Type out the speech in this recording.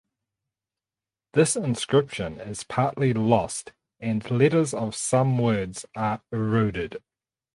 This inscription is partly lost and letters of some words are eroded.